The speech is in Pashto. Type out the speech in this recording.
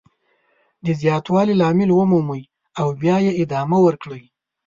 د زیاتوالي لامل ومومئ او بیا یې ادامه ورکړئ.